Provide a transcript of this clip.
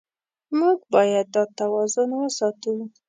موږ باید دا توازن وساتو.